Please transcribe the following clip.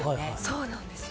そうなんですよ。